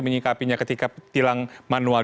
menyikapinya ketika tilang manual